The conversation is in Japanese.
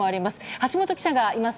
橋本記者がいます。